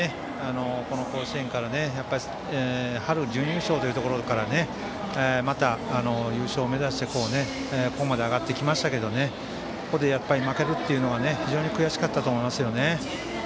春準優勝というところからまた優勝を目指してここまで上がってきましたけどここで負けるというのは非常に悔しかったと思いますね。